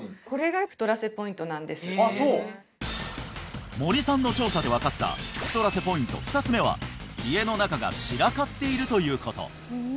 そう森さんの調査で分かった太らせポイント２つ目は家の中が散らかっているということ